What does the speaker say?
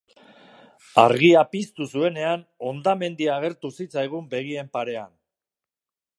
Argia piztu zuenean hondamendia agertu zitzaigun begien parean.